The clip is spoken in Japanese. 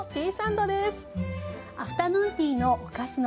アフタヌーンティーのお菓子の